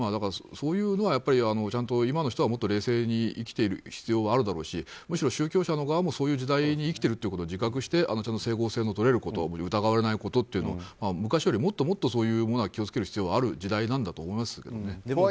そういうのはちゃんと今の人はもっと冷静に生きていく必要はあるだろうしむしろ宗教者の側も生きてるということを自覚して整合性の取れること疑われないことというのを昔よりもっとそういうものは気を付ける必要がある時代だとは思います。